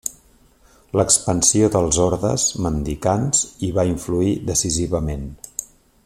L'expansió dels ordes mendicants hi va influir decisivament.